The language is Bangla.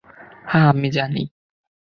হ্যাঁ, আমি জানি!